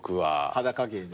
裸芸でね。